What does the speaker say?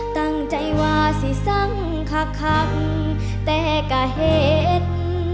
ตั้งใจว่าสิสังคักแต่ก็เห็น